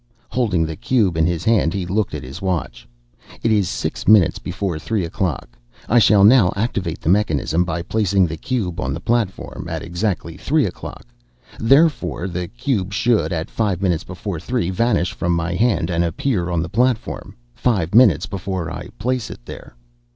Holding the cube in his hand he looked at his watch. "It is six minutes before three o'clock. I shall now activate the mechanism by placing the cube on the platform at exactly three o'clock. Therefore, the cube should, at five minutes before three, vanish from my hand and appear on the platform, five minutes before I place it there."